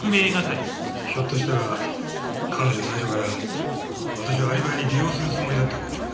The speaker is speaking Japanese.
ひょっとしたら彼女最初から私をアリバイに利用するつもりだったのかもしれませんね。